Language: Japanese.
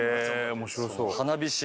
面白そう。